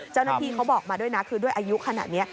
เจ้าหน้าที่เขาบอกมาด้วยนะคือด้วยอายุขนาดนี้